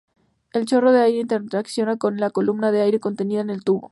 El chorro de aire interacciona con la columna de aire contenida en el tubo.